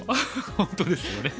本当ですよね。